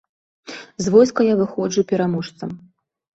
З войска я выходжу пераможцам.